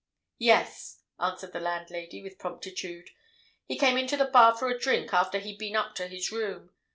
"Yes," answered the landlady, with promptitude. "He came into the bar for a drink after he'd been up to his room.